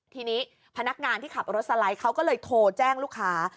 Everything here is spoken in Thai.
ทีนี้พนักงานที่ขับรถสไลด์เขาก็เลยโทรแจ้งลูกค้า